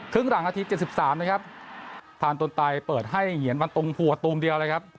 ครึ่งหลังอาทิตย์๗๓นะครับพาลตนตายเปิดให้เหยียนวันตุงหัวตุงเดียวนะครับ